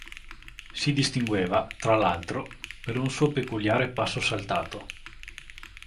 Si distingueva, tra l'altro, per un suo peculiare passo saltato.